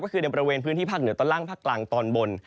ก็คือในบริเวณพื้นที่ภาคเหนือตอนล่างภาคกลางตอนบน